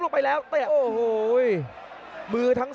ส่วนหน้านั้นอยู่ที่เลด้านะครับ